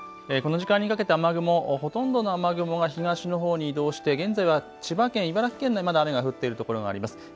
この時間にかけて雨雲ほとんどの雨雲は東のほうに移動して現在は千葉県、茨城県がまだ雨が降っている所があります。